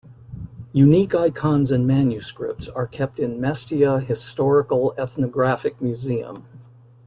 Unique icons and manuscripts are kept in Mestia Historical-Ethnographic Museum.